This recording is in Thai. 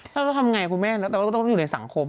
ถ้าจะทำอย่างไรคุณแม่เราก็ต้องอยู่ในสังคม